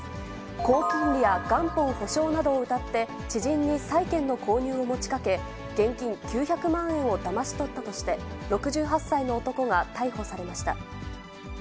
高金利や元本保証などをうたって、知人に債券の購入を持ちかけ、現金９００万円をだまし取ったとして、６８歳の男が逮捕されました。